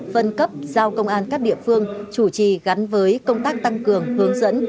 phân cấp giao công an các địa phương chủ trì gắn với công tác tăng cường hướng dẫn